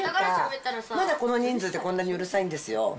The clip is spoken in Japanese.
まだこの人数でこんなにうるさいんですよ。